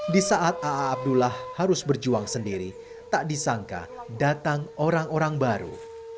di saat aa abdullah harus berjuang sendiri tak disangka datang orang orang baru